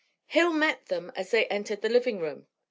XXIV Hill met them as they entered the living room.